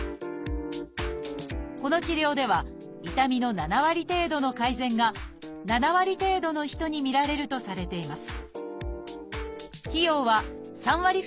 この治療では痛みの７割程度の改善が７割程度の人に見られるとされています